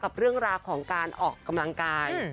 กับเรื่องราวของการออกกำลังกาย